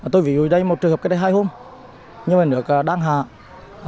tôi vì đây một trường hợp cách đây hai hôm nhưng mà được đăng hạ